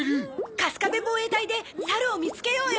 カスカベ防衛隊で猿を見つけようよ。